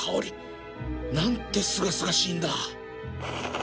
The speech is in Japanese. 何てすがすがしいんだ